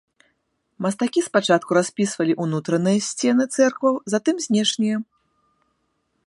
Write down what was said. Мастакі спачатку распісвалі ўнутраныя сцены цэркваў, затым знешнія.